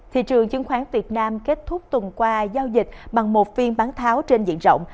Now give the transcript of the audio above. thị trường chứng khoán việt nam kết thúc tuần qua giao dịch bằng một phiên bán tháo trên diện rộng